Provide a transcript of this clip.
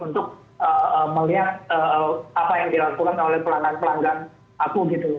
untuk melihat apa yang dilakukan oleh pelanggan pelanggan aku gitu ya